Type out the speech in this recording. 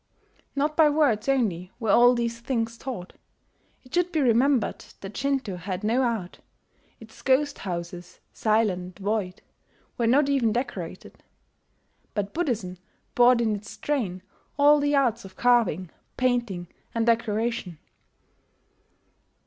... Not by words only were all these things taught. It should be remembered that Shinto had no art: its ghost houses, silent and void, were not even decorated. But Buddhism brought in its train all the arts of carving, painting, and decoration.